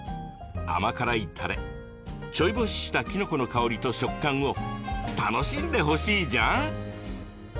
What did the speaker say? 甘辛いたれ、ちょい干ししたきのこの香りと食感を楽しんでほしいジャン。